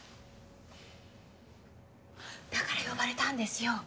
だから呼ばれたんですよ！